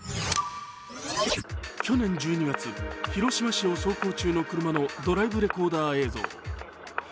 去年１２月、広島市を走行中の車のドライブレコーダー映像。